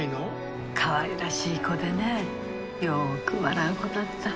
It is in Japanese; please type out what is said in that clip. かわいらしい子でねよく笑う子だった。